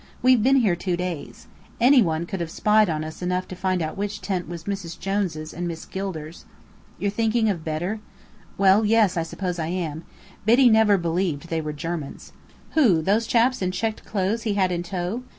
We've been here two days. Any one could have spied on us enough to find out which tent was Mrs. Jones' and Miss Gilder's." "You're thinking of Bedr?" "Well, yes, I suppose I am. Biddy never believed they were Germans." "Who, those chaps in checked clothes he had in tow?